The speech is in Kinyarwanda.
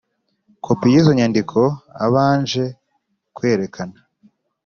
kopi y izo nyandiko abanje kwerekana